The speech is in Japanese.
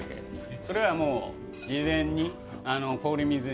それはもう事前に氷水に漬け込んで。